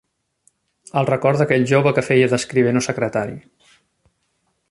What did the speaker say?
El record d'aquell jove que feia d'escrivent o secretari